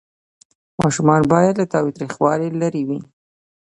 ماشومان باید له تاوتریخوالي لرې وي.